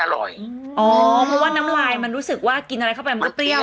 อร่อยอ๋อเพราะว่าน้ำลายมันรู้สึกว่ากินอะไรเข้าไปมันก็เปรี้ยว